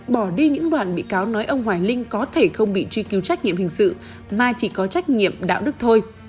bỏ đi những đoàn bị cáo nói ông hoài linh có thể không bị truy cứu trách nhiệm hình sự mà chỉ có trách nhiệm đạo đức thôi